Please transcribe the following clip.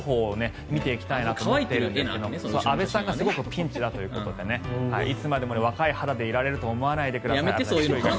安部さんがすごくピンチということでいつまでも若い肌でいられるとは思わないでください。